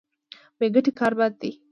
بې ګټې کار بد دی.